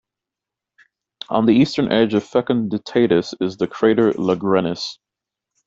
On the eastern edge of Fecunditatis is the crater Langrenus.